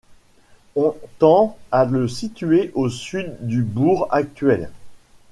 On tend à le situer au sud du bourg actuel.